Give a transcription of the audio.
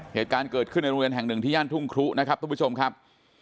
เหตุการณ์เกิดขึ้นในโรงเรียนแห่งหนึ่งที่ย่านทุ่งครุนะครับทุกผู้ชมครับ